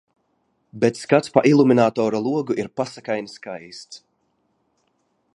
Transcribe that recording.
Bet skats pa iluminatora logu ir paskani skaists.